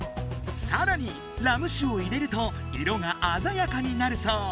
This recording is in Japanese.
さらにラム酒を入れると色があざやかになるそう。